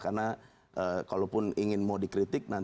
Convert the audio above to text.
karena kalaupun ingin mau dikritik